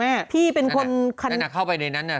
นั่นนะเข้าไปในนั้นนะ